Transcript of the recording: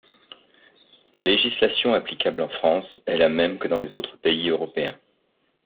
La législation applicable en France est la même que dans les autres pays européens.